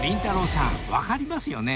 さん分かりますよね？］